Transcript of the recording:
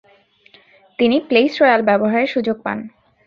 তিনি Palais Royal ব্যবহারের সুযোগ পান।